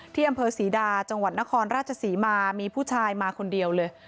ที่อำเภอศรีดาจังหวัดนครราชศรีมามีผู้ชายมาคนเดียวเลย